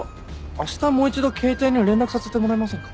あしたもう一度携帯に連絡させてもらえませんか？